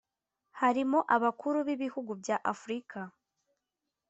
harimo abakuru b’ibihugu bya Afurika